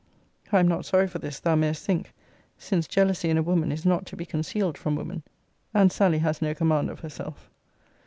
I am not sorry for this, thou mayest think; since jealousy in a woman is not to be concealed from woman. And Sally has no command of herself.